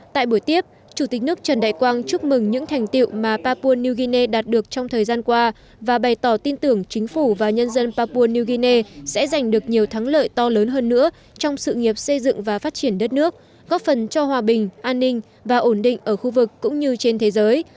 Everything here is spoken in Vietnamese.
tại buổi tiếp chủ tịch nước trần đại quang chúc mừng những thành tiệu mà papua new guinea đạt được trong thời gian qua và bày tỏ tin tưởng chính phủ và nhân dân papua new guinea sẽ giành được nhiều thắng lợi to lớn hơn nữa trong sự nghiệp xây dựng và phát triển đất nước góp phần cho hòa bình an ninh và ổn định ở khu vực cũng như trên thế giới